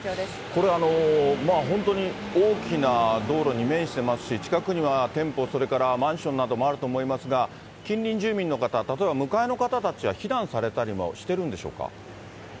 これあの、本当に大きな道路に面してますし、近くには店舗、それからマンションなどもあると思いますが、近隣住民の方、例えば向かいの方たちは避難されたりもしてるんでしょうか。